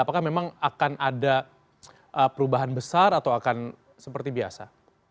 apakah memang akan ada perubahan besar atau akan seperti biasa